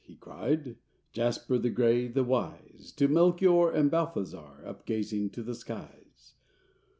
” he cried, Jasper, the gray, the wise, To Melchior and to Balthazar Up gazing to the skies.